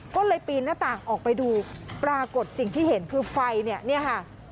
ก็เลยปีนหน้าต่างออกไปดูปรากฏสิ่งที่เห็นคือไฟเนี่ยเนี่ยค่ะ